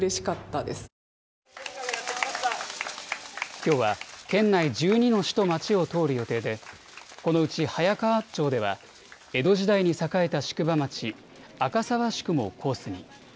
きょうは県内１２の市と町を通る予定でこのうち早川町では江戸時代に栄えた宿場町、赤沢宿もコースに。